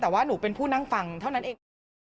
แต่ว่าหนูเป็นผู้นั่งฟังเท่านั้นเอง